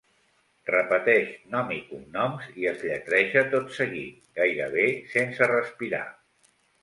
Repeteix nom i cognom i els lletreja tot seguit, gairebé sense respirar.